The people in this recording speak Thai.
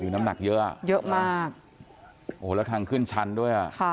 น้ำหนักเยอะเยอะมากและทางขึ้นชั้นด้วย